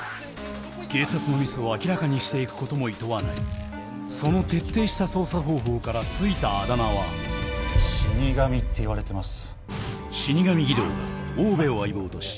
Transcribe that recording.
警察のミスを明らかにして行くこともいとわないその徹底した捜査方法から付いたあだ名はっていわれてます。